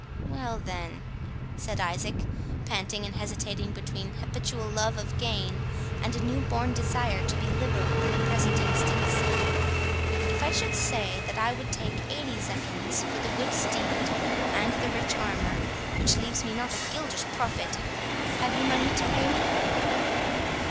"Well, then"—said Isaac, panting and hesitating between habitual love of gain and a new born desire to be liberal in the present instance, "if I should say that I would take eighty zecchins for the good steed and the rich armour, which leaves me not a guilder's profit, have you money to pay me?"